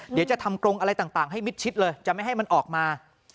เดี๋ยวจะทำกรงอะไรต่างให้มิดชิดเลยจะไม่ให้มันออกมา